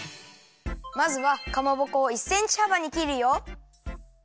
まずはかまぼこを１センチはばにきるよ！